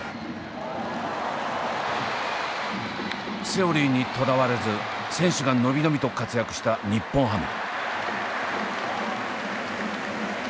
セオリーにとらわれず選手が伸び伸びと活躍した日本ハム。